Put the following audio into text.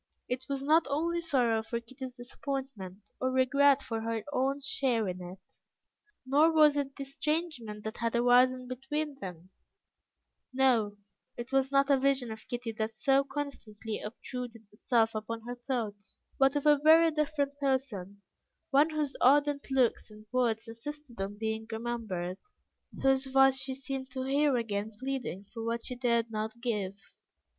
It was not only sorrow for Kitty's disappointment, or regret for her own share in it, nor was it the estrangement that had arisen between them; no, it was not a vision of Kitty that so constantly obtruded itself upon her thoughts, but of a very different person, one whose ardent looks and words insisted on being remembered, whose voice she seemed to hear again pleading for what she dared not give.